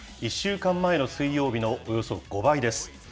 １週間前の水曜日のおよそ５倍です。